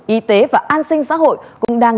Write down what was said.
y tế và an sinh xã hội cũng đang